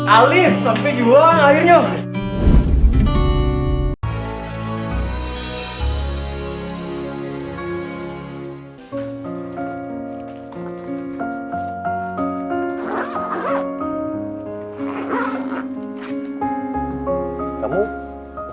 alif sampai juga lah ngayun yuk